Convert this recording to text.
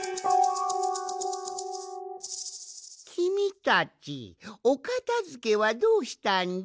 きみたちおかたづけはどうしたんじゃ？